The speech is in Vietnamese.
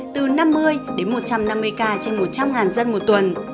từ năm mươi đến một trăm năm mươi ca trên một trăm linh dân một tuần